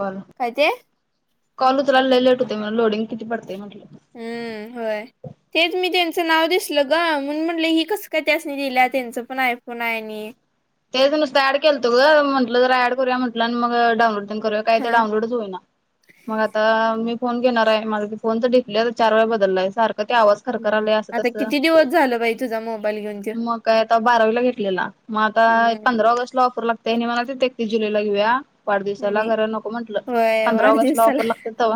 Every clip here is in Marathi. ल काय ते कॉल उचलायला लेट होते लोडिंग किती पडतेय म्हटलं हम्म होय तेच मी त्यांचं नाव दिसलं ग म्हण म्हटलं हि कसं काय त्यासनी दिलं त्यांच पण आयफोन आहे आणि तेच नुसत ऍड केलंतो ग म्हटलं जरा ऍड करूया म्हटलं आणि मग डाऊनलोड पण करूया काय तर हा डाऊनलोडच होई ना मग आता मी फोन घेणार आहे माझ फोन तर दिडसप्ले चार वेळा बदललाय सारख ते आवाज खरखर हम्म आले अस आता तस किती दिवस झालं बाई तुझा मोबाईल घेऊन त्यो मग काय आता बारावीला घेतलेला मग आता हम्म पंधरा ऑगस्ट ला ऑफर लागतय मला एकतीस जुलैला घेऊया वाढदवसाला नाही घरा नको म्हटलं होय पंधरा ऑगस्ट ला वाढदिवसाला ऑफर लागते ते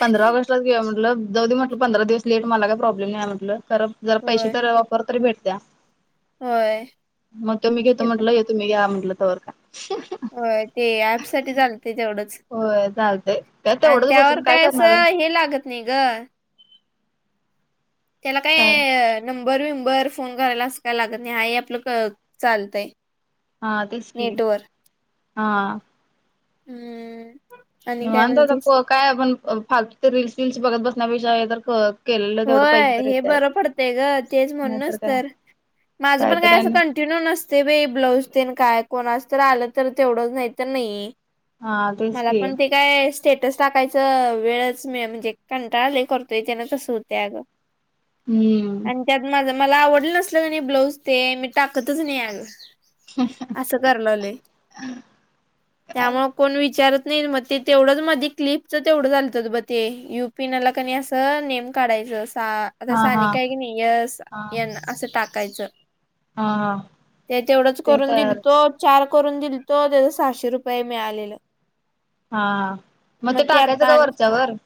पंधरा ऑगस्ट म्हटलं ज म्हट पंधरा दिवस लेट मला काही प्रॉब्लेम नाही म्हटलं जर पैसे होय तर ऑर भेट त्या होय मग तो मी घेतो ते पण म्हटलं येतो मी घ्या म्हटलं तवर का होय ते ऍप साठी झाल ते तेवढंच होय चालतंय काय आणि तेवढंच त्यावर बसून काय असं करणार आहे हे लागत नाही ग त्याला काय नंबर विंबर फोन करायला असं काय लागत नाही हा आपलं चालतंय हा तेच क नेटवर हा हम्म आणि काय माणत म्हणतीस काय आपण फ रीलल्स रीलल्स बघत बसण्यापेक्षा तर खत होय हे बरं पडतंय ग तेच नाहीतर म्हणूनच काय तर माझं पण कायतरी काय असं आणि कं ंटिन्यू नसते बाई ब्लाऊज देन काय कोणाच तर आलं तर तेवढंच नाहीत नाही हा तेच मला की पण ते काय स्टेटस टाकायचं वेळच म म्हणजे कंटाळले करतोय त्यान तसं होत त्याग हम्म त्यात माझ मला आवडलं नसल का नाही ब्लाऊज ते मी टाकतच नाही आग ह असं करयलग्लोय त्यामुळे कोण विचारत नाही मग ते तेवढंच मध्ये क्लिपच तेवढं झालत ब ते य पिण्याला कणी असं नेम काढायचं सा आता हा हा सानिका काय की नाही यस हा असं टाकायचं हा हा ते तेवढंच ते करून दिल तर तो चार करून दिल तो त्याचा सहाशे रुपये मिळालेला हा मग ते टाकायचं का वरच्यावर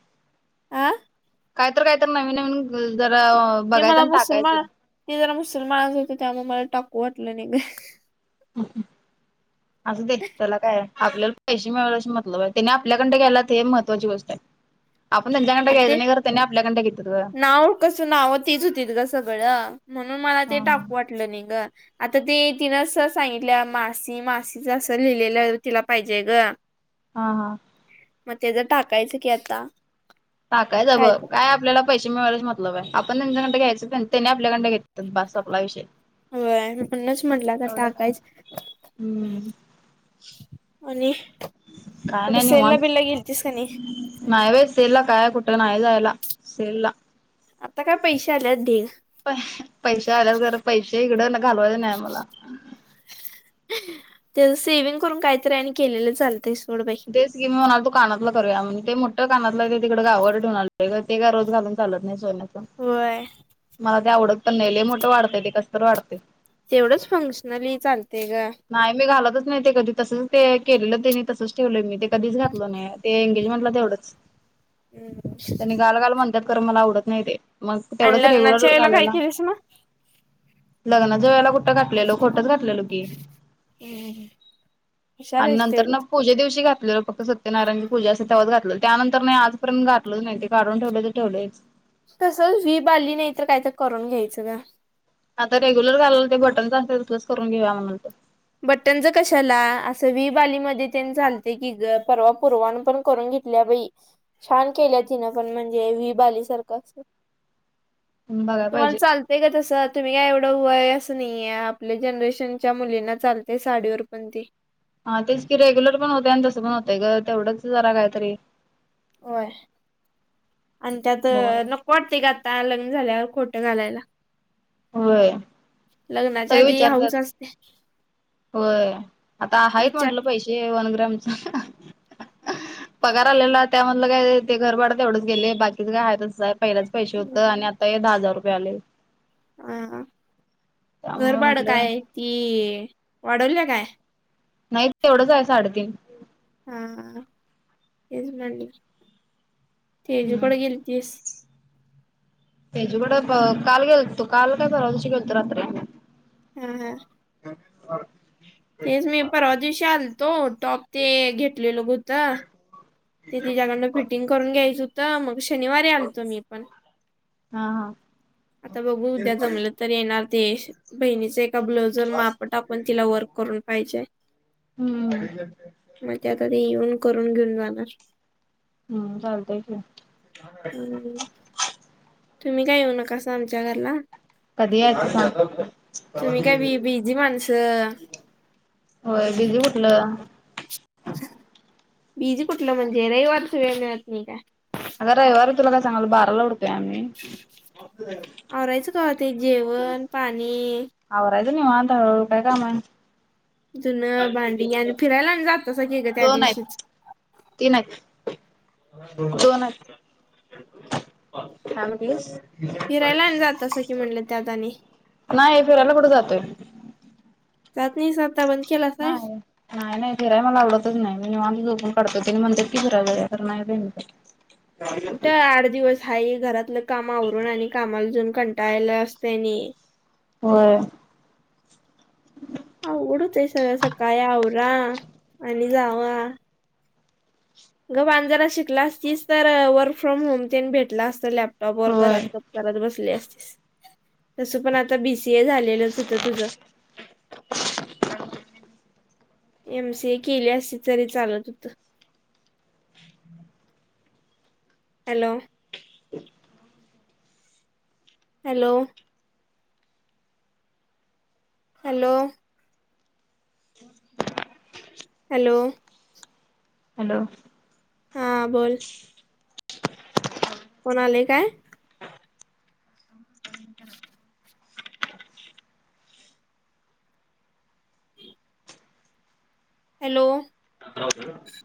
आं काहीत काहीत नवीन नवीन जरा ते बघायचं मला आणि टाकायचं मुसलमान ते जरा मुसलमानाच होते त्यामुळे मला टाकू वाटलं नाही ग हम असं दे त्याला काय आहे आपल्याला पैशे मिळवण्याशी मतलब आहे त्याने आपल्याकडन घ्यायल्यात हे महत्वाची गोष्ट आहे [inaudible] म ते घ्यायचं नाही खरं त्यांनी आपल्याकडे घेतात ग नाव कस नाव तेच होतीत ग सगळं म्हणून मला हा ते टाकू वाटलं नाही ग आता ते तिनं स सांगितलं मासी मासीच असं लिहिलेलं तिला पाहिजे ग हा हा मग तेज टाकायचं की आता टाकायच बघ काय आपल्याला पैशे मिळवण्याशी मतलब आहे आपण त्यांच्याकडं घ्यायच त्यांनी आपल्याकडं घेतात बास संपला विषय होय म्हणूनच म्हटलं आता एवढं काय टाकायच हम्म आणि काय कुठे नाही सेलला निवांत बिलला गेलतीस कनी नाही बई सेलला काय कुठं नाही जायला सेल ला आता काय पैशे आल्यात ढीग प पैशे आल्यात खर पैशे इकड घालवायच नाही मला तेज सेव्हिंग करून काहीतरी आणि केलेलं चालतय सोड बई तेच की मी म्हणाल तो कानातला करूया म्हण ते मोठ्या कानातला ते तिकडे गावाकड ठेऊन आलोय ग ते रोज घालून चालत नाही सोन्याच होय मला ते आवडत पण नई लै मोठ वाटतय ते कस तर वाटतय तेवढंच फंक्शनली चालतय ग नाही मी घालतच नाही ते कधी तसच ते केलेलं तेनी तसच ठेवलंय मी ते कधीच घातल नाही ते एंगेजमेंटला तेवढंच त्यांनी हम् घाल घाल म्हणत्यात खर मला आवडत नाही ते मग आणि तेवढंच लग्नाच्या रेग्युलर वेळेला काय घालायला केलीस मग? लग्नाच्या वेळेला कुठं घाातलेलो खोटंच घातलेलो की हम आणि नंतर न पूजे दिवशी घातलेलो फक्त सत्यनारायणची पूजा असत्या तवाच घातलोय त्यानंतर नाही आजपर्यंत घातलंच नाही ते काढून ठेवलय ते - ठेवलोयच तस व्ही बाली नाही तर कायतर करून घ्यायचं ग आता रेग्युलर घालायला ते बटनच असतय तसलच करून घ्यायच म्हणत होतो बटनच कशाला असं व्ही बालीमध्ये तेन चालतय की ग परवा पुरवान पण करून घेत तल्या बाई छान केल्या तिनं पण म्हणजे व्ही बाली सारखं अस बघाय तुम्हाला पाहिजे. चाल तय का तसं तुम्ही काय एवढं वय असं नाहीय आपल्या जनरेशनच्या मुलींना - चालतय साडीवर पण ते हा तेच की रेग्युलर पण होते आणि तस पण होतंय ग तेवढंच जरा काहीतरी होय आणि त्यात बघून नक् को वाटतेय ग आता लग्न झाल्यावर खोटं घालायला होय लग्नाच्या सगळे आधी विचारतात हौस असत्या होय आता हायत म्हंटलं पैशे वन ग्रॅमच पगार आलेला त्यामधलं काय ते घर भाड तेवढंच गेलय बाकीच काय आहे तसचाय पहिल्याच पैशे होत आणि हम्म. आता हे दहा हजार रुपये आलय हा घरभाड म्हटलं काय ती वाढवल्या काय नाही तेवढंच आहे साडेतीन हा तेच म्हणलं तेजू कड गेलतीस तेजूकड प काल गेलतो काल काय परवादीवशी गेलतो रात्री हा हा [unintelligible] तेच मी परवा दिवशी आलतो टॉप ते घेतलेलो गत ते तिच्याकडनं फिटिंग करून घ्यायचं होतं मग शनिवारी आलतो मी पण हा हा आता बघू उद्या जमलं - तर येणार तेश बहिणीच एका ब्लाऊज जर मा आप टाकून तिला वर्क करून पाहिजे हम्म. मग ते आता ते येऊन करून घेऊन जाणार हम्म चालतय की हम्म. तुम्ही काय येऊ नकासा आमच्या घरला कधी यायचं सांग. तुम्ही काय बी बिझी माणस होय बिझी कुठल [inaudible] बीजी कुठलं म्हणजे रविवारच वेळ मिळत नाही काय अग रविवारी तुला काय सांगालोय बाराला उठतोय आम्ही आवरायचं कावा ते जेवण पाणी आवरायचं निवांत हळू हळू काय काम आहे. जुूनं भांडी आणि फिरायला आणि जातसं की ग त्या दोन दिवशीच आहेत तीन आहेत दोन आहेत का म्हणलीस फिरायला आणि जातासा की म्हणलं त्या दनी नाही फिरायला कुठं जातोय [unintelligible] नाही नाही नाही फिराय मला आवडतच नाही मी मा झोपून काढतो म्हणत की फिरायय तर नाही [inaudible] कुठं आठ दिवस हाय हे घरातलं काम आवरून आणि कामाला जाऊन कंटाळाला असतंनी होय अवघड होत्य सगळ्या सकाळी आवरा आणि जावा गप्प आणि जरा शिकला असतीस तर वर्क फ्रॉम होम तेने भेटला असत लॅपटॉप वर होय घरात ब करत बसली असतीस तसं पण आता बीसीए झालेलंच होतं तुझ [inaudible] एम सी ए केली अस तरी चालत होतं hello hello hello hello hello हा बोल कोण आलंय काय हॅलो [unintelligible]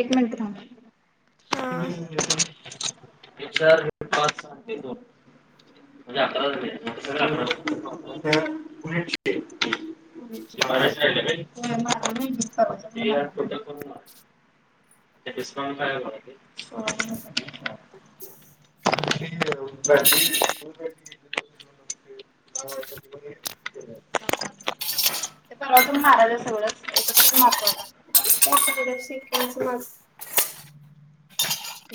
एक मिनट थांब हा [unintelligible] हे चार हे पाच आणि ते दोन. म्हणजे अकरा झाले [inaudible] [inaudible] डस्काउंट काय आहे बग, सोळा हजार [unintelligible] [inaudible] ते परवाच पण मारायचं आहे सगळ एकत्रच मारतो आता. को शच मज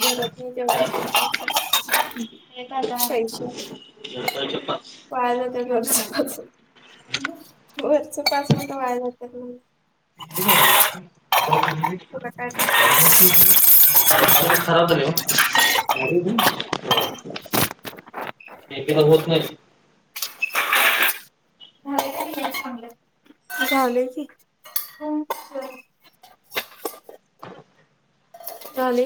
जरत तेव्हा एक सश पायलं त्या घच वरच पाच मिनिटं वाया जात्यात म्हणलं हे काय आणलॉस, भावा तुला काय कोतमीर [inaudible] खराब झाल्या ओ, [unintelligible] एक एकदा होत नाही भाड्या साठी घ्याच थांबल्यात. झाले की? तुम [unintelligible] झाले.